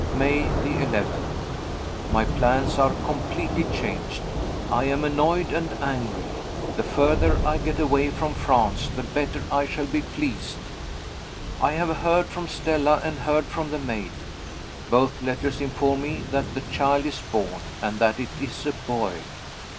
May 11 . My plans are completely changed. I am annoyed and angry; the further I get away from France, the better I shall be pleased. I have heard from Stella, and heard from the maid. Both letters inform me that the child is born, and that it is a boy.